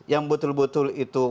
yang betul betul itu